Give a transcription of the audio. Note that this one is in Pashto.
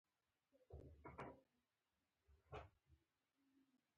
• لمر د ځمکې لپاره تر ټولو پیاوړې انرژي ده.